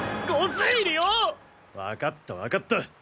わかったわかった。